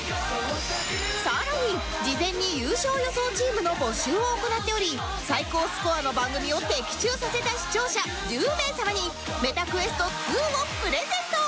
さらに事前に優勝予想チームの募集を行っており最高スコアの番組を的中させた視聴者１０名様に ＭｅｔａＱｕｅｓｔ２ をプレゼント